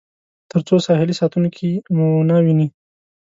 تر څو ساحلي ساتونکي مو ونه وویني.